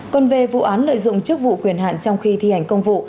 còn về vụ án lợi dụng chức vụ quyền hạn trong khi thi hành công vụ